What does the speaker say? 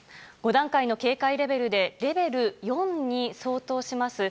５段階の警戒レベルでレベル４に相当します